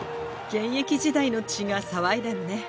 現役時代の血が騒いだのね。